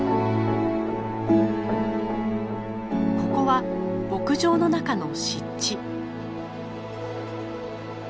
ここは牧場の中の湿地。